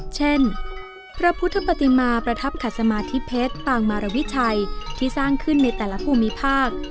เช่นพระพุทธปฏิมาประทับขัดสมาธิเพชรปางมารวิชัยที่สร้างขึ้นในแต่ละภูมิภาค